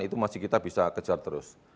itu masih kita bisa kejar terus